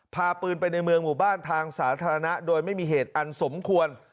พาปืนไปในเมืองหมู่บ้านทางสาธารณะโดยไม่มีเหตุอันสมควร